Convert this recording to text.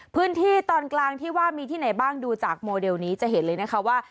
พื้นที่ตอนกลางที่ว่ามีที่ไหนบ้างดูจากโมเดลนี้จะเห็นเลยนะคะว่า